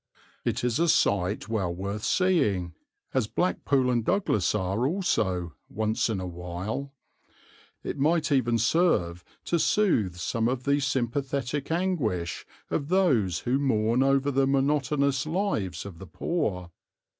It is a sight well worth seeing, as Blackpool and Douglas are also, once in a while. It might even serve to soothe some of the sympathetic anguish of those who mourn over the monotonous lives of the poor.